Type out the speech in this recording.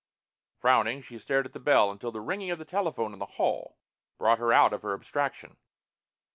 Frowning, she stared at the bell until the ringing of the telephone in the hall brought her out of her abstraction.